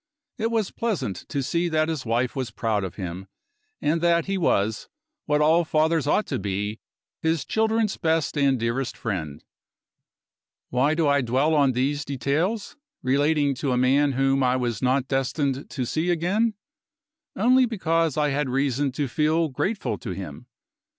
It was pleasant to see that his wife was proud of him, and that he was, what all fathers ought to be, his children's best and dearest friend. Why do I dwell on these details, relating to a man whom I was not destined to see again? Only because I had reason to feel grateful to him.